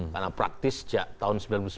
karena praktis sejak tahun sembilan puluh sembilan